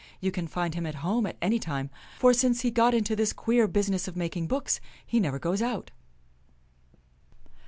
You can find him at home at any time ; for, since he got into this queer busi ness of making books, he never goes out."